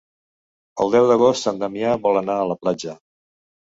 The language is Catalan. El deu d'agost en Damià vol anar a la platja.